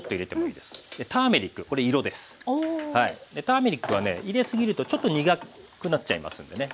ターメリックはね入れすぎるとちょっと苦くなっちゃいますんでね。